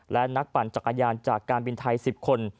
และนักปั่นจักรยานจากการบินไทย๑๐คน